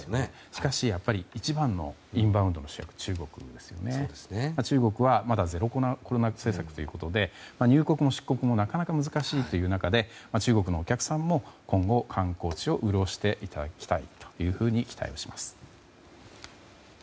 一方で一番のインバウンドの主役は中国ですが、中国はまだゼロコロナ政策ということで入国も出国もなかなか難しいという中で中国のお客さんも今後、観光地を潤していただきたいと期待します。